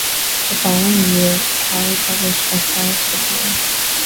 The following year Cowley published "Exile's Return".